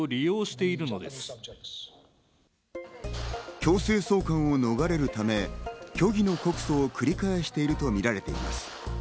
強制送還を逃れるため、虚偽の告訴を繰り返しているとみられています。